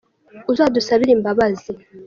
Uzadusabire imbabazi.